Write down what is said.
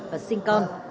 và sinh con